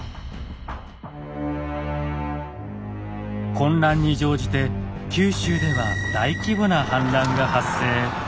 混乱に乗じて九州では大規模な反乱が発生。